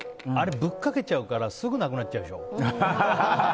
あれ、ぶっかけちゃうからすぐなくなっちゃうでしょ。